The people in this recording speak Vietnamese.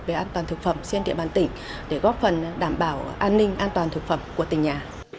về an toàn thực phẩm trên địa bàn tỉnh để góp phần đảm bảo an ninh an toàn thực phẩm của tỉnh nhà